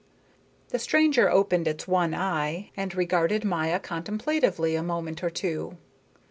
The stranger opened its one eye and regarded Maya contemplatively a moment or two.